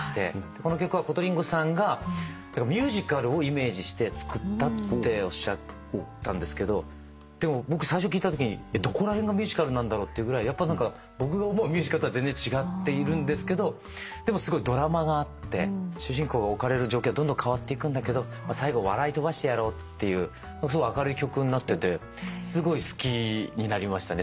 この曲はコトリンゴさんがミュージカルをイメージして作ったっておっしゃったんですけどでも僕最初聴いたときどこら辺がミュージカルなんだろうっていうぐらい僕が思うミュージカルとは全然違っているんですけどでもすごいドラマがあって主人公が置かれる状況はどんどん変わっていくんだけど最後笑い飛ばしてやろうっていうすごい明るい曲になっててすごい好きになりましたね。